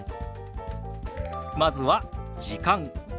まずは「時間」。